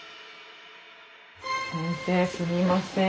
先生すみません。